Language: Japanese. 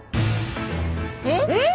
えっ？